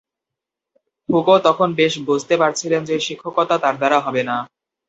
Foucault তখন বেশ বুঝতে পারছিলেন যে, শিক্ষকতা তার দ্বারা হবেনা।